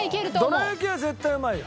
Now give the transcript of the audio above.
どら焼きは絶対うまいよ。